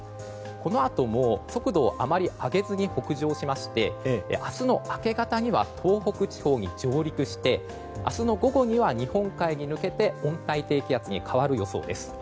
このあとも速度をあまり上げずに北上しまして明日の明け方には東北地方に上陸して明日の午後には日本海に抜けて温帯低気圧に変わる予想です。